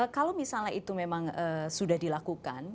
kalau misalnya itu memang sudah dilakukan